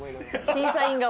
審査員側？